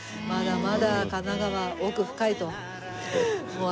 まだまだ神奈川奥深いと。